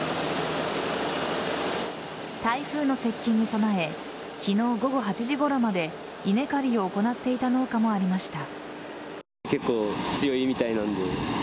台風の接近に備え昨日午後８時ごろまで稲刈りを行っていた農家もありました。